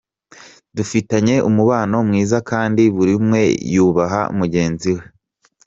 Dufitanye umubano mwiza kandi buri umwe yubaha mugenzi we.